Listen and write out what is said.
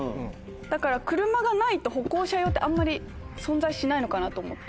だから車がないと歩行者用ってあんまり存在しないのかなと思って。